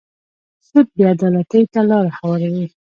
سود بې عدالتۍ ته لاره هواروي.